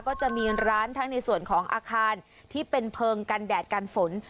ก็จะมีร้านทั้งในส่วนของอาคารที่เป็นเพลิงกันแดดกันฝน